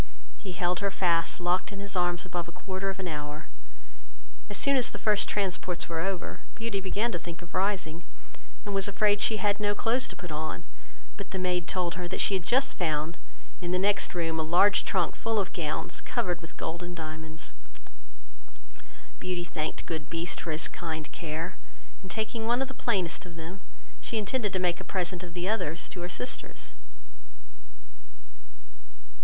He held her fast locked in his arms above a quarter of an hour. As soon as the first transports were over, Beauty began to think of rising, and was afraid she had no clothes to put on; but the maid told her, that she had just found, in the next room, a large trunk full of gowns, covered with gold and diamonds. Beauty thanked good Beast for his kind care, and taking one of the plainest of them, she intended to make a present of the others to her sisters.